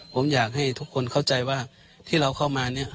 ผมอยากให้ทุกคนเข้าใจว่าที่เราเข้ามาเนี่ย